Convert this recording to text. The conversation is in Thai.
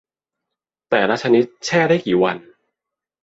แต่ละชนิดแช่ได้กี่วัน